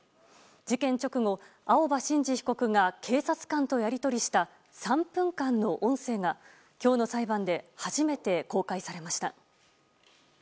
事件直後、青葉真司被告が警察官とやり取りした３分間の音声が今日の裁判で初めて公開されました。